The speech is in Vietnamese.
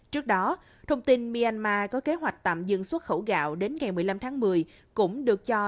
trước đó thông tin myanmar có kế hoạch tạm dừng xuất khẩu gạo đến ngày một mươi năm tháng một mươi cũng được cho